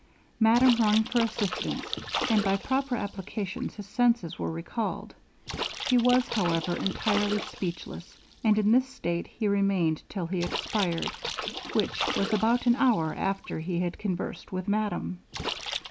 Madame rung for assistance, and by proper applications, his senses were recalled. He was, however, entirely speechless, and in this state he remained till he expired, which was about an hour after he had conversed with madame.